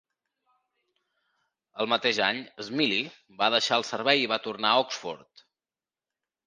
El mateix any, Smiley va deixar el Servei i va tornar a Oxford.